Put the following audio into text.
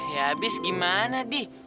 ja abis gimana dih